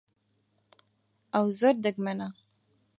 ئەوە زۆر دەگمەنە.